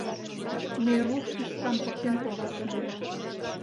Ме руш тӱшкам поктен колтышна...